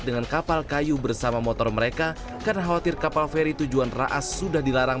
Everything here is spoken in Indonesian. dengan kapal kayu bersama motor mereka karena khawatir kapal feri tujuan raas sudah dilarang